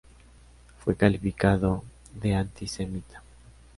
Fue calificado de antisemita.